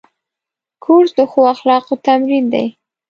کورس د ښو اخلاقو تمرین دی.